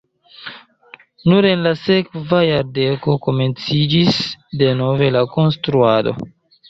Nur en la sekva jardeko komenciĝis denove la konstruado.